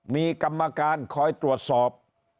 มีกรรมการคอยตรวจสอบ